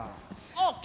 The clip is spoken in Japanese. ＯＫ！